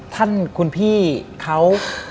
ท่านคุณพี่เขา